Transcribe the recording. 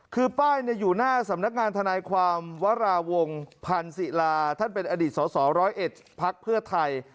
คือป้ายอยู่หน้าสำนักงานทนายความวราวงพันธ์ศิลาท่านเป็นอดีตสสร้อยเอ็ดพักเพื่อไทย